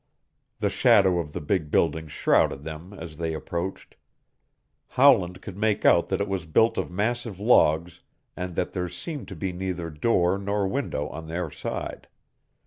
The shadow of the big building shrouded them as they approached. Howland could make out that it was built of massive logs and that there seemed to be neither door nor window on their side.